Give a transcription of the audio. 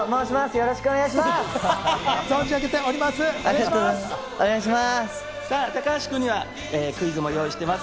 よろしくお願いします。